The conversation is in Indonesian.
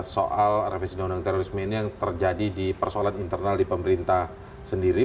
soal revisi undang undang terorisme ini yang terjadi di persoalan internal di pemerintah sendiri